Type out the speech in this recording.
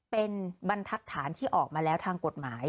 เป็นบรรทัศน์ที่ออกมาแล้วทางกฎหมาย